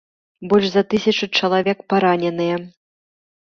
Больш за тысячу чалавек параненыя.